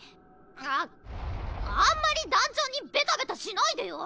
ああんまり団長にベタベタしないでよ。